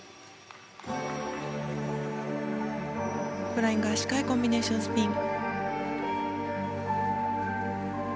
フライング足換えコンビネーションスピン。